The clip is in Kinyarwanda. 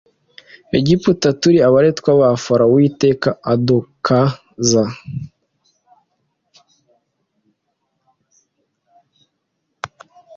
Egiputa turi abaretwa ba farawo uwiteka aduk za